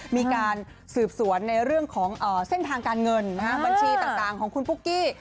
มีการสืบสวนในเรื่องของเส้นทางการเงินบัญชีต่างของคุณปุ๊กกี้